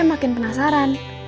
gue makin penasaran